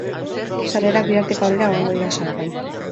Sarrerak bihartik aurrera egongo dira salgai.